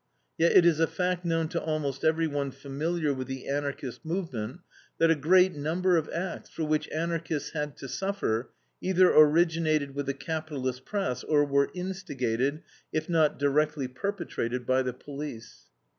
Yet it is a fact known to almost everyone familiar with the Anarchist movement that a great number of acts, for which Anarchists had to suffer, either originated with the capitalist press or were instigated, if not directly perpetrated, by the police.